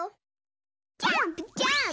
ジャンプジャンプ！